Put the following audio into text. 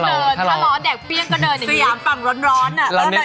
สยามฝั่งร้อนอะถ้าร้อนแดกเปีื้องก็เดินอย่างนี้